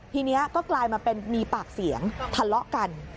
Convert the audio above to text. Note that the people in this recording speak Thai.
ทีนี้ก็กลายมาเป็นมีปากเสียงทะเลาะกัน